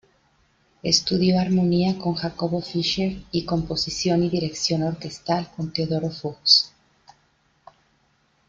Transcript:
Estudió armonía con Jacobo Fischer y composición y dirección orquestal con Teodoro Fuchs.